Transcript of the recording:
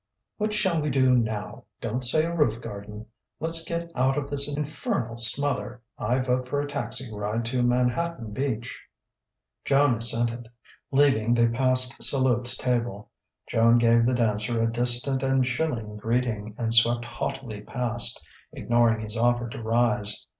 "What shall we do now? Don't say a roof garden. Let's get out of this infernal smother. I vote for a taxi ride to Manhattan Beach." Joan assented. Leaving, they passed Salute's table. Joan gave the dancer a distant and chilling greeting, and swept haughtily past, ignoring his offer to rise.